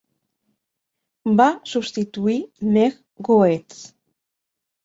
Va substituir Meg Goetz.